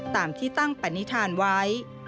ตามที่ตั้งประนิษฐานไว้